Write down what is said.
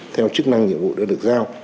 theo chức năng nhiệm vụ đã được giao